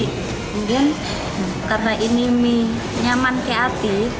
mungkin karena ini mie nyaman kreatif